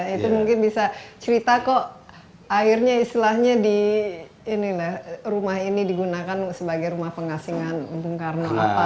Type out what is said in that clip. itu mungkin bisa cerita kok akhirnya istilahnya di rumah ini digunakan sebagai rumah pengasingan bung karno apa